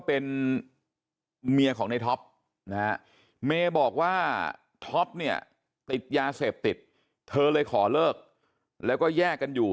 เป็นเมียของในท็อปนะฮะเมย์บอกว่าท็อปเนี่ยติดยาเสพติดเธอเลยขอเลิกแล้วก็แยกกันอยู่